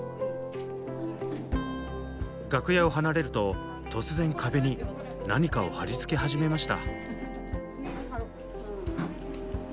楽屋を離れると突然壁に何かを貼り付け始めました。